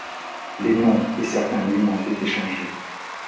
Les noms et certains lieux ont été changés.